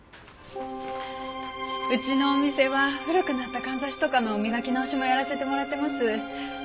うちのお店は古くなったかんざしとかの磨き直しもやらせてもらってます。